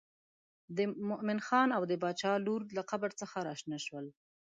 د مومن خان او د باچا لور له قبر څخه راشنه شول.